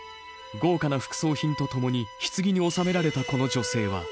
豪華な副葬品とともに棺に納められたこの女性は誰なのか